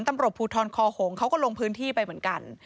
ตำรวจภูทรคอหงเขาก็ลงพื้นที่ไปเหมือนกัน